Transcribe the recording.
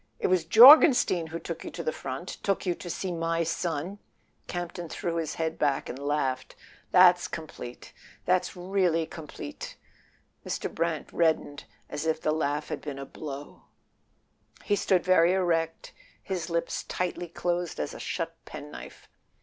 It was Jorgenstein who took you to the front? Took you to see my son?" Campton threw his head back and laughed. "That's complete—that's really complete!" Mr. Brant reddened as if the laugh had been a blow. [ 250 ] A SON AT THE FRONT He stood very erect, his lips as tightly closed as a shut penknife.